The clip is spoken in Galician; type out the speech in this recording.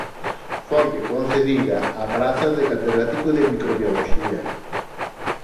Foille concedida a praza de catedrático de microbioloxía.